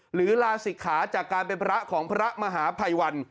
ลาศิกขาจากการเป็นพระของพระมหาภัยวัน